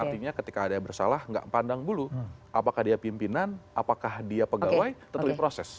artinya ketika ada yang bersalah nggak pandang dulu apakah dia pimpinan apakah dia pegawai tetap diproses